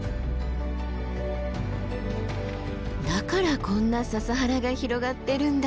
だからこんな笹原が広がってるんだ。